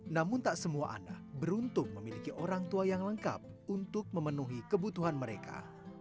namun tak semua anak beruntung memiliki orang tua yang lengkap untuk memenuhi kebutuhan mereka